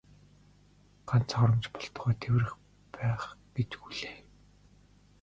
Ганц хором ч болтугай тэврэх байх гэж хүлээв.